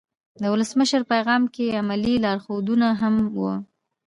د ولسمشر پیغام کې علمي لارښودونه هم وو.